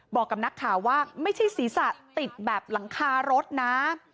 บอกกับนักข่าวว่าไม่ใช่ศีรษะติดแบบหลังคารถนะ